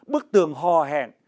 bức tường hò hẹn